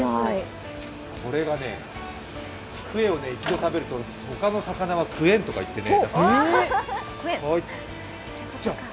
これがね、クエを一度食べると他の魚は食えんとかいってね。